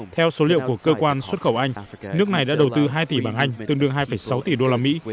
theo số liệu của cơ quan xuất khẩu anh nước này đã đầu tư hai tỷ bảng anh tương đương hai sáu tỷ đô la mỹ